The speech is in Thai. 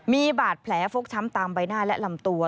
มีบาดแผลฟกช้ำตามใบหน้าและลำตัว